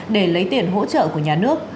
để lấy tiền hỗ trợ của nhà nước